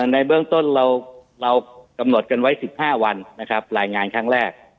ในเบื้องต้นเรากำหนดกันไว้๑๕วันนะครับรายงานครั้งแรก